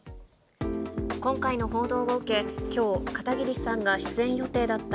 今回の報道を受け、きょう、片桐さんが出演予定だった